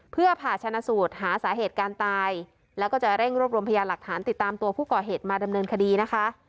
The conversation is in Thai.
เพื่อผ่าชนะสูตรหาสาเหตุการตายแล้วก็จะเร่งรวบรวมพยานหลักฐานติดตามตัวผู้ก่อเหตุมาดำเนินคดีนะคะ